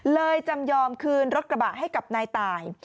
จำยอมคืนรถกระบะให้กับนายตาย